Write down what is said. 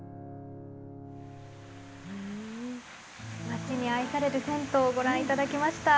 町に愛される銭湯ご覧いただきました。